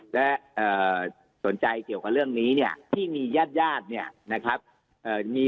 และสนใจเกี่ยวกับเรื่องนี้เนี่ยที่มีญาติญาติเนี่ยนะครับ